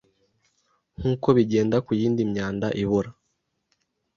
nk’uko bigenda ku yindi myanda ibora,